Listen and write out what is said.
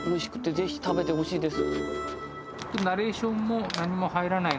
ぜひ食べてほしいです。